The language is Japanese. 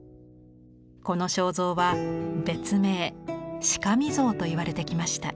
この肖像は別名「顰像」といわれてきました。